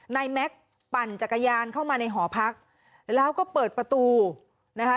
แม็กซ์ปั่นจักรยานเข้ามาในหอพักแล้วก็เปิดประตูนะคะ